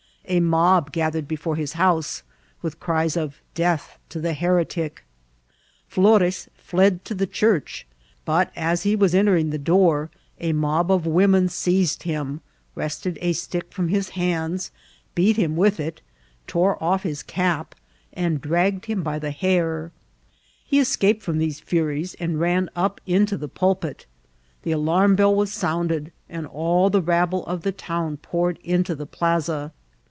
A mob gathered before his house, with cries of Death to the heretic !'' Flores fled to the church ; but as he was entering the door a mob of women $eized him, wrested a stick from his hands, beat MURDXR OV TICB PBB8IDSNT FL0R18. 197 him with it, tore off his cap, and draped him by the hair. He escaped from these furies and ran np into the pulpit. The alarm bell was somided, and all the rabble of the town poured into the plaza.